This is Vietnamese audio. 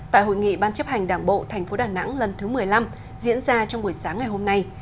tại hội nghị ban chấp hành đảng bộ thành phố đà nẵng lần thứ một mươi năm diễn ra trong buổi sáng ngày hôm nay